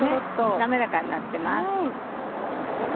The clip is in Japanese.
滑らかになってます。